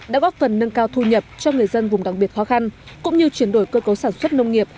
đã góp phần nâng cao thu nhập cho người dân vùng đặc biệt khó khăn cũng như chuyển đổi cơ cấu sản xuất nông nghiệp